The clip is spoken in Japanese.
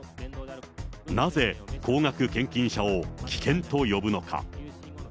なぜ高額献金者を危険と呼ぶのか。